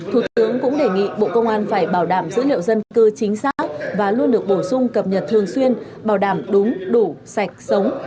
thủ tướng cũng đề nghị bộ công an phải bảo đảm dữ liệu dân cư chính xác và luôn được bổ sung cập nhật thường xuyên bảo đảm đúng đủ sạch sống